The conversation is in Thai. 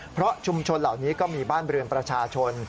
เพราะชุมชนเหล่านี้ก็มีบ้านเรือนประชาชน